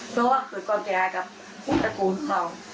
เพราะว่าถูกก่อนแก่กับพุทธกลุ่มเขา